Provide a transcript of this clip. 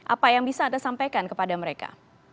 apa yang bisa anda sampaikan kepada mereka